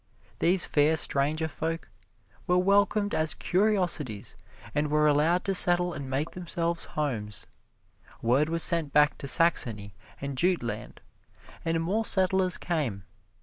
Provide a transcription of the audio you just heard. These fair stranger folk were welcomed as curiosities and were allowed to settle and make themselves homes. Word was sent back to Saxony and Jute Land and more settlers came.